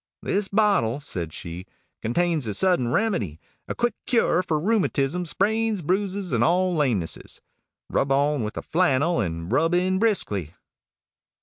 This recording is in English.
"This bottle," said she, "contains the Sudden Remedy a quick cure for rheumatism, sprains, bruises, and all lamenesses. Rub on with a flannel, and rub in briskly."